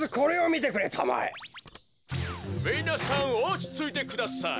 「みなさんおちついてください。